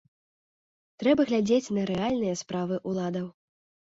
Трэба глядзець на рэальныя справы ўладаў.